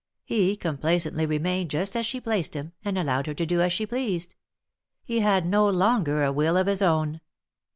He complacently remained just as she placed him, and allowed her to do as she pleased. He had no longer a will of his own.